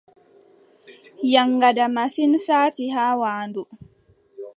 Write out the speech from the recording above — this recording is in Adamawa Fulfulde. Yaŋgada masin, saati haa waandu.